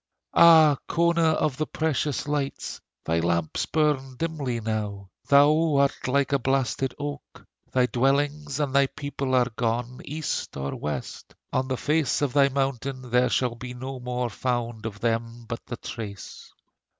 Ah, Cona of the precious lights, Thy lamps burn dimly now: Thou art like a blasted oak: Thy dwellings and thy people are gone East or west; on the face of thy mountain, There shall be no more found of them but the trace!